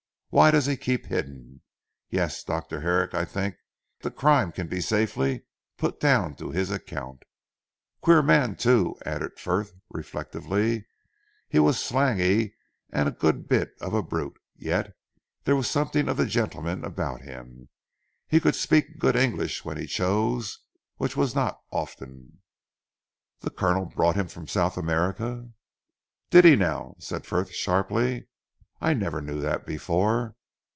Why does he keep hidden? Yes, Dr. Herrick, I think the crime can be safely put down to his account. Queer man too," added Frith reflectively, "he was slangy and a good bit of a brute, yet there was something of the gentleman about him. He could speak good English when he chose, which was not often." "The Colonel brought him from South America?" "Did he now?" said Frith sharply, "I never knew that before.